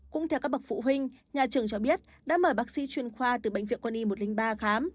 cũng theo các bậc phụ huynh nhà trường cho biết đã mời bác sĩ chuyên khoa từ bệnh viện quân y một trăm linh ba khám